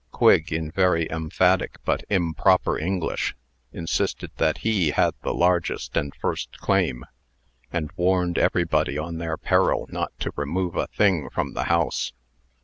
Quigg, in very emphatic but improper English, insisted that he had the largest and first claim, and warned everybody on their peril not to remove a thing from the house.